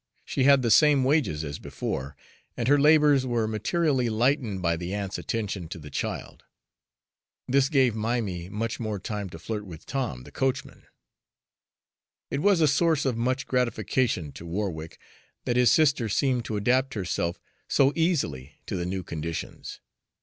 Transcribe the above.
She had the same wages as before, and her labors were materially lightened by the aunt's attention to the child. This gave Mimy much more time to flirt with Tom the coachman. It was a source of much gratification to Warwick that his sister seemed to adapt herself so easily to the new conditions.